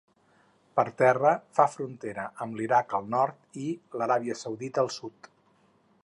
Per terra, fa frontera amb l'Iraq al nord i l'Aràbia Saudita al sud.